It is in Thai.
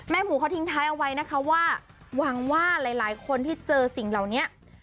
หมูเขาทิ้งท้ายเอาไว้นะคะว่าหวังว่าหลายคนที่เจอสิ่งเหล่านี้